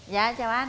dạ chào anh